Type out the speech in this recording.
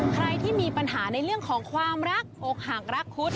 ใครที่มีปัญหาในเรื่องของความรักอกหักรักคุด